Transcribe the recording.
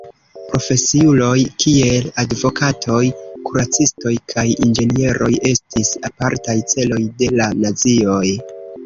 Profesiuloj kiel advokatoj, kuracistoj kaj inĝenieroj estis apartaj celoj de la nazioj.